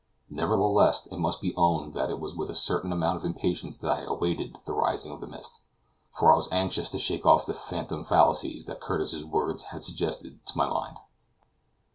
Nevertheless it must be owned that it was with a certain amount of impatience that I awaited the rising of the mist, for I was anxious to shake off the phantom fallacies that Curtis's words had suggested to my mind.